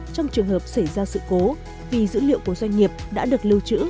trong trường hợp xảy ra sự cố vì dữ liệu của doanh nghiệp đã được lưu trữ